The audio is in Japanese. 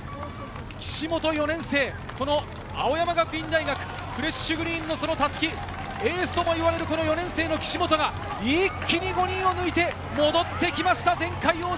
岸本・４年生、青山学院大学フレッシュグリーンの襷、エースともいわれる４年生・岸本が、一気に５人を抜いて戻ってきました前回王者。